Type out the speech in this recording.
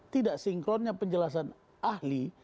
tidak sinkronnya penjelasan ahli